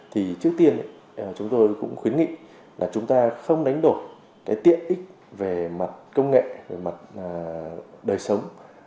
thì trước tiên chúng tôi cũng khuyến nghị là chúng ta không đánh đổi cái tiện ích về mặt công nghệ về mặt đời sống